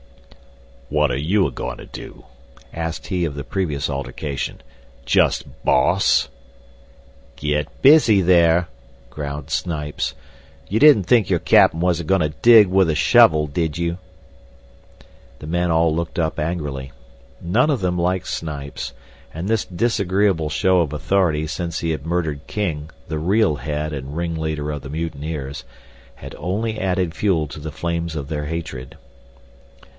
"Wot are you a goin' to do?" asked he of the previous altercation. "Just boss?" "Git busy there," growled Snipes. "You didn't think your Cap'n was a goin' to dig with a shovel, did you?" The men all looked up angrily. None of them liked Snipes, and this disagreeable show of authority since he had murdered King, the real head and ringleader of the mutineers, had only added fuel to the flames of their hatred.